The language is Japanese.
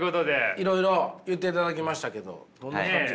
いろいろ言っていただきましたけどどんな感じですか？